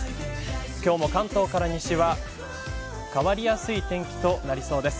今日も関東から西は変わりやすい天気となりそうです。